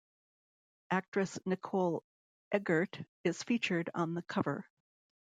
Actress Nicole Eggert is featured on the cover.